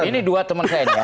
ini dua teman saya